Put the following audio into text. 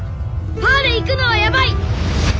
「パー」で行くのはやばいッ！